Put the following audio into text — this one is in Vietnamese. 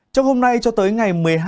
trong hôm nay cho tới ngày một mươi hai